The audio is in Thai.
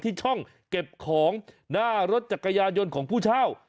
ที่ช่องเก็บของหน้ารถจักรยานยนต์ของผู้เช่า